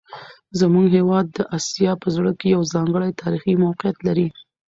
زموږ هیواد د اسیا په زړه کې یو ځانګړی تاریخي موقعیت لري.